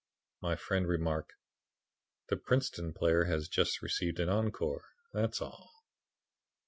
My friend remarked: 'The Princeton player has just received an encore, that's all.'